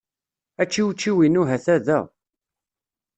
Ačiwčiw-inu hata da.